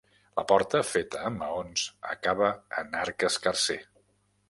La porta, feta amb maons, acaba en arc escarser.